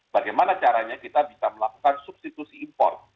bagaimana caranya kita bisa melakukan substitusi import